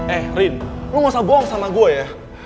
eh rin lo gak usah bohong sama gue ya